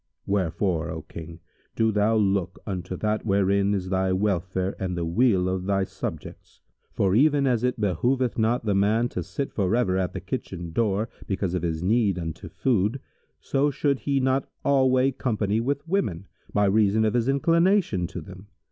Wherefore, O King, do thou look unto that wherein is thy welfare and the weal of thy subjects; for, even as it behoveth not a man to sit forever at the kitchen door, because of his need unto food, so should he not alway company with women, by reason of his inclination to them.